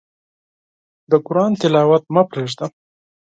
د قرآن تلاوت مه پرېږده.